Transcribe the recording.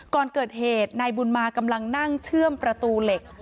ก่อนเกิดเหตุนายบุญมากำลังนั่งเชื่อมประตูเหล็ก